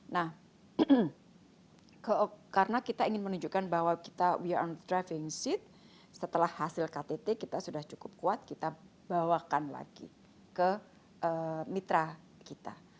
nah karena kita ingin menunjukkan bahwa kita we on driving seat setelah hasil ktt kita sudah cukup kuat kita bawakan lagi ke mitra kita